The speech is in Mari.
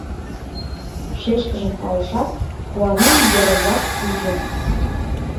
Шешкыжым палышат, куанен йырымлаш пиже: